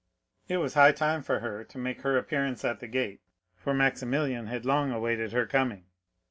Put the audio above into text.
It was high time for her to make her appearance at the gate, for Maximilian had long awaited her coming.